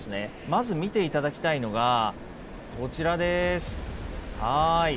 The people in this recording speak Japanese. まず見ていただきたいのが、こちらです。